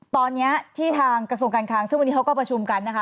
ตอนนี้ที่ทางกระทรวงการคลังซึ่งวันนี้เขาก็ประชุมกันนะคะ